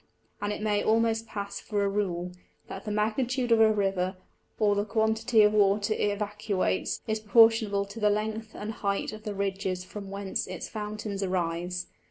And it may almost pass for a Rule, that the magnitude of a River, or the quantity of Water it evacuates, is proportionable to the length and height of the Ridges from whence its Fountains arise.